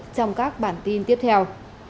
trong các bản tin tiếp theo